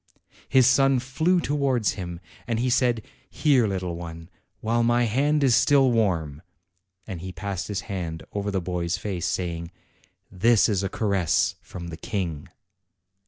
His son flew towards him, and he said, "Here, little one, while my hand is still warm!" and he passed his hand over the boy's face, saying, "This is a caress from the King."